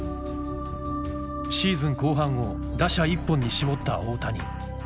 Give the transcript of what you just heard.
シーズン後半を打者一本に絞った大谷。